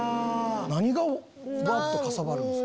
何がブワっとかさばるんですか？